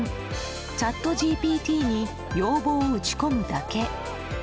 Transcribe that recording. チャットＧＰＴに要望を打ち込むだけ。